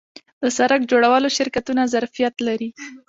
د سرک جوړولو شرکتونه ظرفیت لري؟